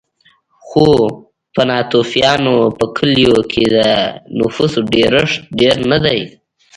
خو په ناتوفیانو په کلیو کې د نفوسو ډېرښت ډېر نه دی